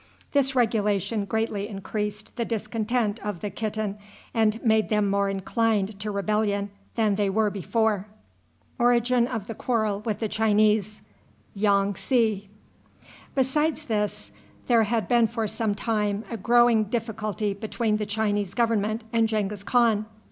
This regulation greatly increased the discontent of the Kitan, and made them more inclined to rebellion than they were before. Besides this, there had been for some time a growing difficulty between the Chinese government and Genghis Khan.